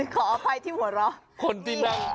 ขออภัยที่หัวเราะ